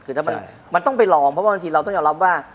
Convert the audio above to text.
คือถ้ามันต้องไปลองเพราะว่าบางทีเราต้องยอมรับว่า